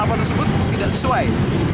penal pot tersebut tidak sesuai